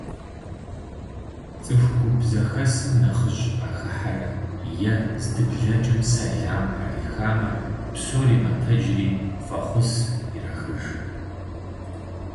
ЦӀыху гуп зэхэсым нэхъыжь къахыхьэрэ е здыблэкӀым сэлам къарихамэ, псори мэтэджри фӀэхъус ирахыж.